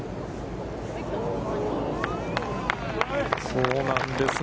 そうなんです。